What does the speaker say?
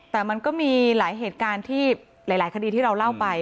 แต่มันก็มีหลายเหตุการณ์ที่หลายคดีที่เราเล่าไป